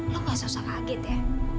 lo gausah usah kaget ya